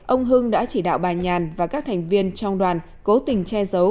ông hưng đã chỉ đạo bà nhàn và các thành viên trong đoàn cố tình che giấu